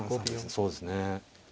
そうですね。